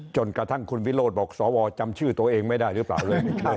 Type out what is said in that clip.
จนกระทั่งคุณวิโรธบอกสวจำชื่อตัวเองไม่ได้หรือเปล่าเลย